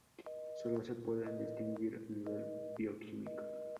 Solo se pueden distinguir a nivel bioquímico.